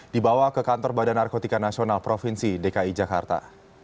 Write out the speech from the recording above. dibawa ke kantor badan narkotika nasional provinsi dki jakarta